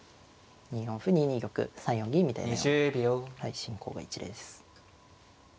２四歩２二玉３四銀みたいな進行が一例です。